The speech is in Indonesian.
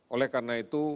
oleh karena itu